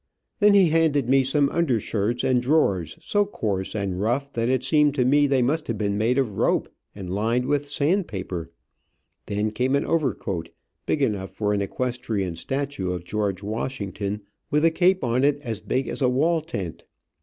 Then he handed me some undershirts and drawers, so coarse and rough that it seemed to me they must have been made of rope, and lined with sand paper. Then came an overcoat, big enough for an equestrian statue of George Washington, with a cape on it as big as a wall tent.